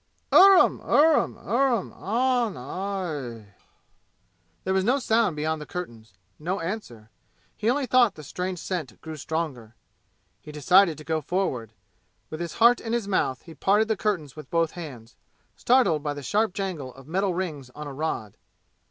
Urram urram urram ah hh ough ah!" There was no sound beyond the curtains. No answer. Only he thought the strange scent grew stronger. He decided to go forward. With his heart in his mouth he parted the curtains with both hands, startled by the sharp jangle of metal rings on a rod.